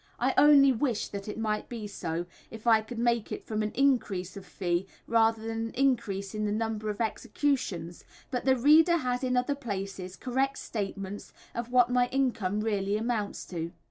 I only wish that it might be so, if I could make it from an increase of fee rather than an increase in the number of executions, but the reader has in other places correct statements of what my income really amounts to.